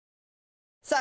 さあ